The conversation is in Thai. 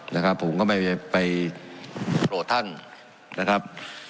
นะครับผมก็ไม่ไปโกรธท่านนะครับ